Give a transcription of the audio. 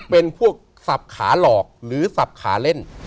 เป็นพวกสับขาหลอกหรือสับขาเล่น